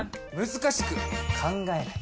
難しく考えない。